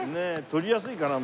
取りやすいかな？